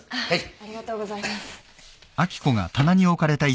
ありがとうございます。